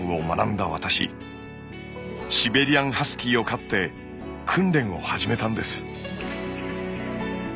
シベリアン・ハスキーを飼って訓練を始めたんです。